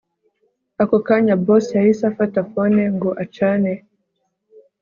ako kanya boss yahise afata phone ngo acane